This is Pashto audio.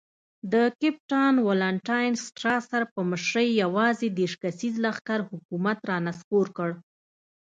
د کپټان والنټاین سټراسر په مشرۍ یوازې دېرش کسیز لښکر حکومت را نسکور کړ.